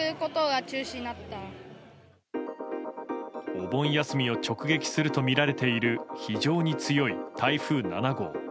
お盆休みを直撃するとみられている非常に強い台風７号。